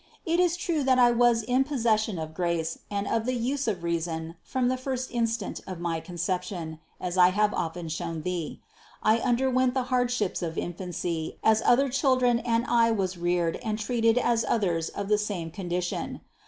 It is true that I was in pos session of grace and of the use of reason from the first instant of my Conception, as I have so often shown thee ; I underwent the hardships of infancy as other children and I was reared and treated as others of the same con dition.